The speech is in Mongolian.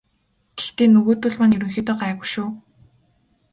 Гэхдээ нөгөөдүүл маань ерөнхийдөө гайгүй шүү.